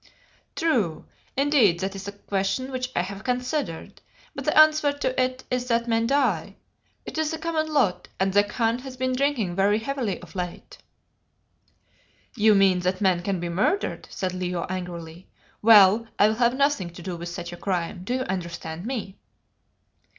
"True; indeed that is a question which I have considered, but the answer to it is that men die. It is the common lot, and the Khan has been drinking very heavily of late." "You mean that men can be murdered," said Leo angrily. "Well, I will have nothing to do with such a crime. Do you understand me?"